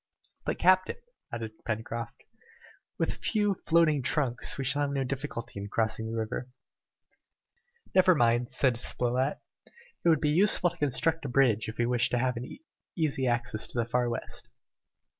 "But, captain," added Pencroft, "with a few floating trunks we shall have no difficulty in crossing the river." "Never mind," said Spilett, "it will be useful to construct a bridge if we wish to have an easy access to the Far West!"